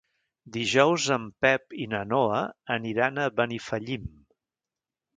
Dijous en Pep i na Noa aniran a Benifallim.